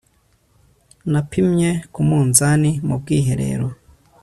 Napimye ku munzani wubwiherero